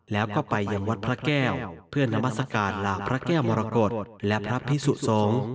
แล้วก็ไปยังวัดพระแก้วเพื่อนามัศกาลหลาพระแก้วมรกฏและพระพิสุสงฆ์